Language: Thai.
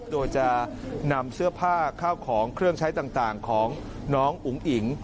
โดยจะนำเสื้อผ้าข้าวของเครื่องใช้ต่างของน้องอุ๋งอิ๋ง